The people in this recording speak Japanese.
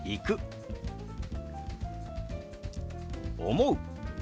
「思う」。